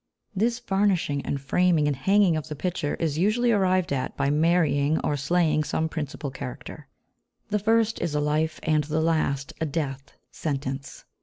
This varnishing and framing and hanging of the picture is usually arrived at by marrying or slaying some principal character; the first is a life, and the last a death, sentence.